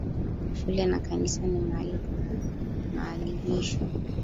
Shule na kanisa ni maali pa mahadibisho